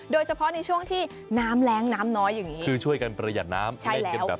โดยเฉพาะในช่วงที่น้ำแรงน้ำน้อยอย่างนี้คือช่วยกันประหยัดน้ำใช่